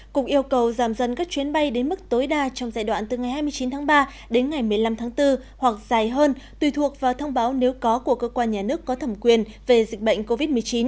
cục yêu cầu giảm dần các chuyến bay đến mức tối đa trong giai đoạn từ ngày hai mươi chín tháng ba đến ngày một mươi năm tháng bốn hoặc dài hơn tùy thuộc vào thông báo nếu có của cơ quan nhà nước có thẩm quyền về dịch bệnh covid một mươi chín